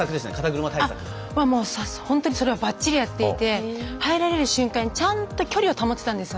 もう本当にそれは、ばっちりやっていて入れれる瞬間にちゃんと距離を保ってたんですよ。